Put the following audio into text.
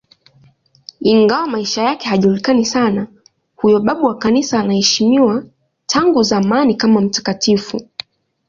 Ingawa maisha yake hayajulikani sana, huyo babu wa Kanisa anaheshimiwa tangu zamani kama mtakatifu.